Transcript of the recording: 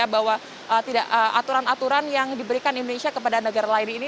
bahwa aturan aturan yang diberikan indonesia kepada negara lain ini